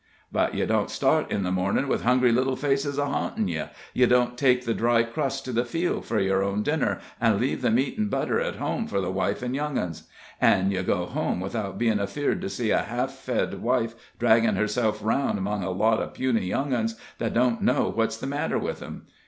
"But ye don't start in the mornin' with hungry little faces a hauntin' ye ye don't take the dry crusts to the field for yer own dinner, an' leave the meat an' butter at home for the wife an' young 'uns. An' ye go home without bein' afeard to see a half fed wife draggin' herself aroun' among a lot of puny young 'uns that don't know what's the matter with 'em.